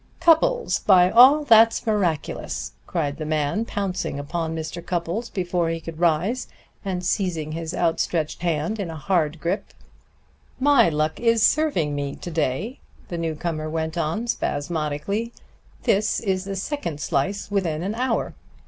"Cupples, by all that's miraculous!" cried the man, pouncing upon Mr. Cupples before he could rise, and seizing his outstretched hand in a hard grip. "My luck is serving me to day," the newcomer went on spasmodically. "This is the second slice within an hour.